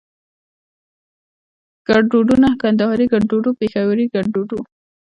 ګړدودونه کندهاري ګړدود پېښوري ګړدود